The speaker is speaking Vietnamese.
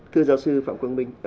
thưa giáo sư phạm quang minh